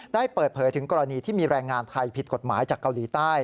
ได้เปิดเผยถึงกรณีที่มีแรงงานไทยผิดกฎหมายจากเกาหลีใต้